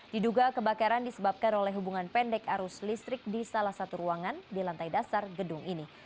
diduga kebakaran disebabkan oleh hubungan pendek arus listrik di salah satu ruangan di lantai dasar gedung ini